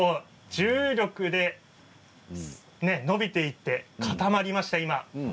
重力でのびていって固まりました。